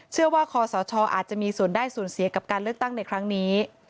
คอสชอาจจะมีส่วนได้ส่วนเสียกับการเลือกตั้งในครั้งนี้